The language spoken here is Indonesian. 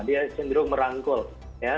dia cenderung merangkul ya